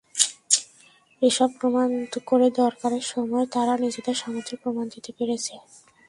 এসব প্রমাণ করে দরকারের সময় তারা নিজেদের সামর্থ্যের প্রমাণ দিতে পেরেছে।